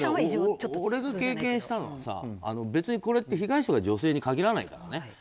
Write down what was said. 俺が経験したのは別にこれって被害者は女性に限らないからね。